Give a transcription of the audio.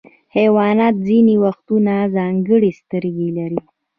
حیوانات ځینې وختونه ځانګړي سترګې لري.